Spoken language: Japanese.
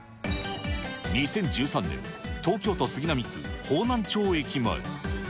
２０１３年、東京都杉並区方南町駅前。